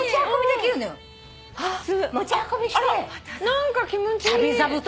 何か気持ちいい。